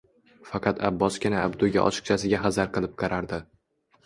Faqat Abbosgina Abduga ochiqchasiga hazar qilib qarardi